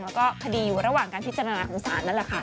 แล้วก็คดีอยู่ระหว่างการพิจารณาของศาลนั่นแหละค่ะ